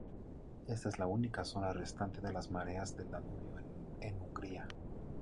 Esta es la única zona restante de las mareas del Danubio en Hungría.